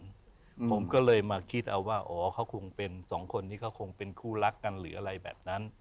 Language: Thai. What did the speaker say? ผมก็เลยมาคิดเอาว่าอ๋อเขาคงเป็นสองคนที่เขาคงเป็นคู่รักกันหรืออะไรแบบนั้น